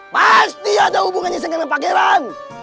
pasti ada hubungannya dengan pangeran